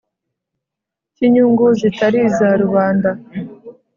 cy'inyungu zitari iza rubanda.